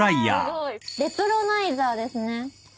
レプロナイザーですね。